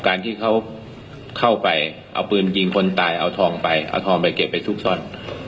การที่เขาเข้าไปเอาปืนยิงคนตายเอาทองไปเอาทองไปเก็บไปซุกซ่อน